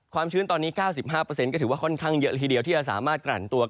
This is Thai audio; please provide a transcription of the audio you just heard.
ความชื้น๙๕